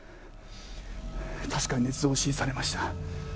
確かに捏造を指示されました。